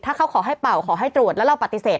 ถ้าเขาขอให้เป่าขอให้ตรวจแล้วเราปฏิเสธ